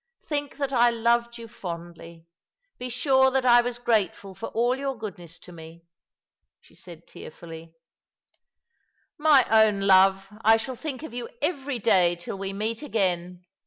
Think that I loved you fondly. Be sure that I was grateful for all your goodness to me," she said tearfully, " My own love, I shall think of you every day till we meet again."